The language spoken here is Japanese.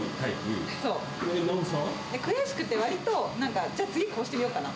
悔しくて、わりと、じゃあ、次こうしてみようかな？